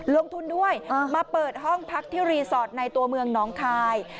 ลงทุนด้วยมาเปิดห้องพักที่รีสอร์ทในตัวเมืองน้องคาย